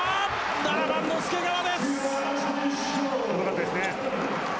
７番の介川です。